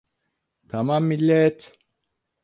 Tamam millet!